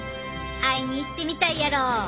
会いに行ってみたいやろ？